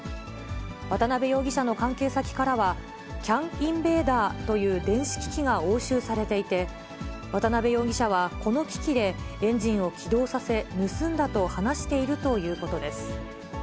渡辺容疑者の関係先からは、ＣＡＮインベーダーという電子機器が押収されていて、渡辺容疑者は、この機器で、エンジンを起動させ、盗んだと話しているということです。